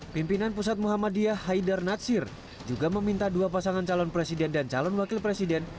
pimpinan pusat muhammadiyah haidar natsir juga meminta dua pasangan calon presiden dan calon wakil presiden